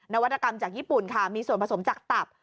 วัตกรรมจากญี่ปุ่นค่ะมีส่วนผสมจากตับ